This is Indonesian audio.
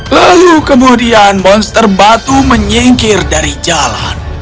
lalu kemudian monster batu menyingkir dari jalan